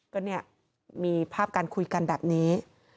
ตอนนี้มีภาพการคุยกันดับนี้